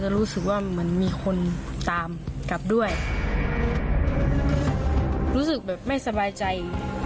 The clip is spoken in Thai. รู้สึกแบบไม่สบายใจ